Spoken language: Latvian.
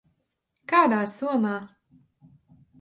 Kādā somā?